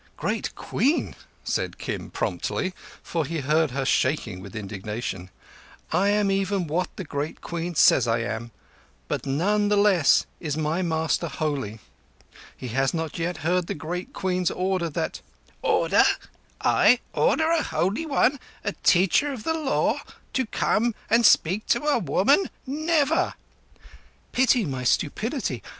"Great Queen," said Kim promptly, for he heard her shaking with indignation, "I am even what the Great Queen says I am; but none the less is my master holy. He has not yet heard the Great Queen's order that—" "Order? I order a Holy One—a Teacher of the Law—to come and speak to a woman? Never!" "Pity my stupidity.